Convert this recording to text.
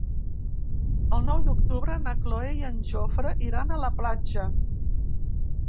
El nou d'octubre na Cloè i en Jofre iran a la platja.